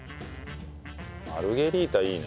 マルゲリータいいね。